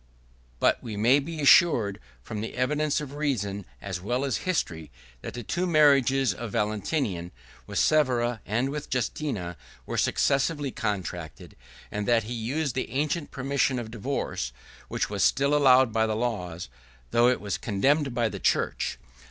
But we may be assured, from the evidence of reason as well as history, that the two marriages of Valentinian, with Severa, and with Justina, were successively contracted; and that he used the ancient permission of divorce, which was still allowed by the laws, though it was condemned by the church.